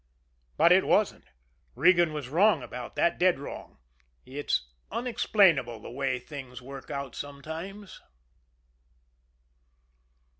But it wasn't. Regan was wrong about that, dead wrong. It's unexplainable the way things work out sometimes!